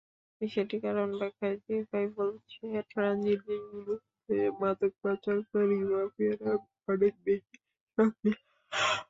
বিষয়টির কারণ ব্যাখ্যায় জিএফআই বলছে, ট্রানজিট দেশগুলোতে মাদক পাচারকারী মাফিয়ারা অনেক বেশি সক্রিয়।